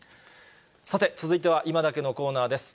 さて、続いてはいまダケッのコーナーです。